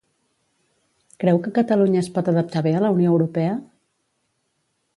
Creu que Catalunya es pot adaptar bé a la Unió Europea?